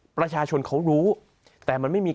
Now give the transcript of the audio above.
ประชาชนเขารู้แต่มันไม่มี